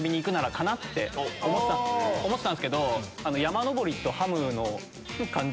思ってたんですけど。